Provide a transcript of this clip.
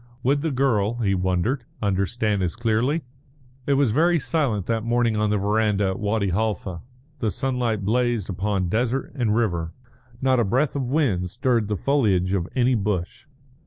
Would the girl, he wondered, understand as clearly? It was very silent that morning on the verandah at Wadi Halfa; the sunlight blazed upon desert and river; not a breath of wind stirred the foliage of any bush.